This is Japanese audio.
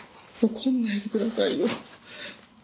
怒んないでくださいよ。